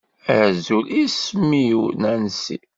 Azul, isem-iw Nancy.